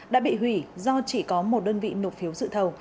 đã bị hủy do chỉ có một đơn vị nộp phiếu sự thầu